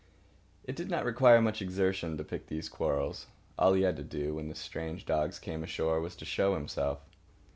It did not require much exertion to pick these quarrels. All he had to do, when the strange dogs came ashore, was to show himself.